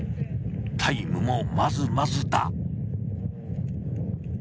タイムもまずまずだ。